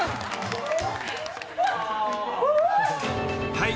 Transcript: ［はい］